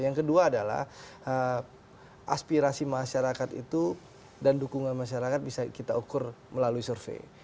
yang kedua adalah aspirasi masyarakat itu dan dukungan masyarakat bisa kita ukur melalui survei